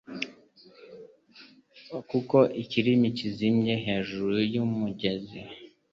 kuko ikirimi kizimye hejuru yumugezi